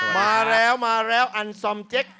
มาแล้วมาแล้วอันซอมเจ๊ก